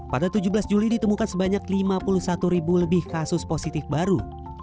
pada tujuh belas juli ditemukan sebanyak lima puluh satu ribu lebih kasus positif baru